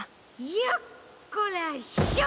よっこらしょ！